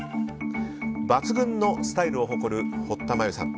抜群のスタイルを誇る堀田真由さん。